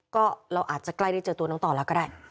ก็เราอาจจะใกล้ได้เจอตัวน้องต่อแล้วก็ได้